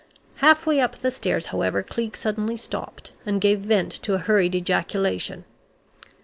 Half way up the stairs, however, Cleek suddenly stopped, and gave vent to a hurried ejaculation.